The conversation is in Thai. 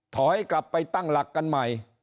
ถอยกลับไปตั้งหลักกันใหม่